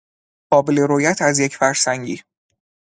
قابل رویت از یک فرسنگی